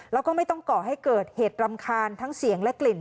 แล้วก็ไม่ต้องก่อให้เกิดเหตุรำคาญทั้งเสียงและกลิ่น